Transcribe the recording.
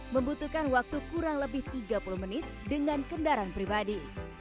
membutuhkan waktu kurang lebih tiga puluh menit dengan kendaraan pribadi